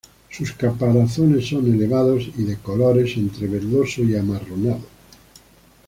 Sus caparazones son elevados, y de colores entre verdoso y amarronado.